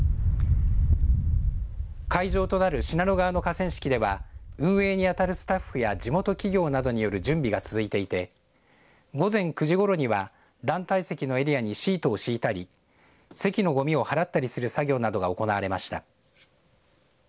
会場となる信濃川の河川敷では運営に当たるスタッフや地元企業などによる準備が続いていて午前９時ごろには団体席のエリアにシートを敷いたり席のごみを払ったりする作業などが行われました。